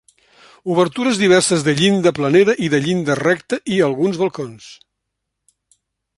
Obertures diverses de llinda planera i de llinda recta i alguns balcons.